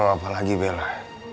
kamu mau apa lagi bella